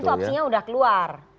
tapi kan itu opsinya sudah keluar